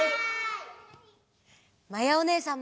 まやおねえさんも。